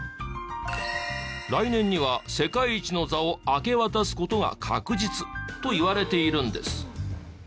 来年には世界一の座を明け渡す事が確実といわれているんです。